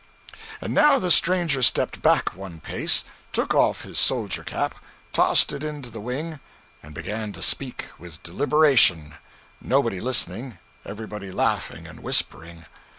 And now the stranger stepped back one pace, took off his soldier cap, tossed it into the wing, and began to speak, with deliberation, nobody listening, everybody laughing and whispering.